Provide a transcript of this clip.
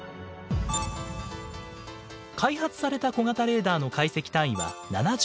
開発された小型レーダーの解析単位は７５ｍ。